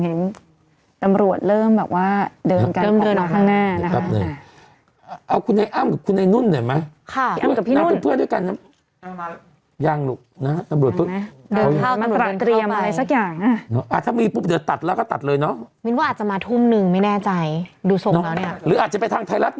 เห็นตำรวจเริ่มแบบว่าเดินก่อนบอปข้างหน้า